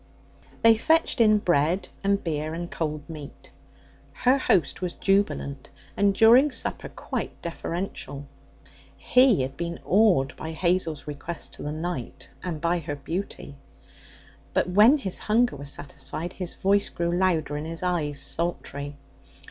They fetched in bread and beer and cold meat. Her host was jubilant, and during supper, quite deferential. He had been awed by Hazel's request to the night and by her beauty. But when his hunger was satisfied, his voice grew louder and his eyes sultry.